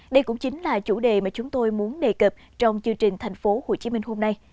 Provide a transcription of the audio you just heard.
đây cũng chính là chủ đề mà chúng tôi muốn đề cập trong chương trình thành phố hồ chí minh hôm nay